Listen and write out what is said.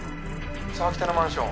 沢北のマンション。